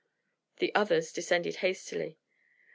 The others descended hastily.